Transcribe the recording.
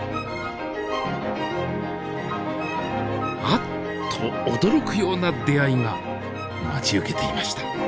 あっと驚くような出会いが待ち受けていました。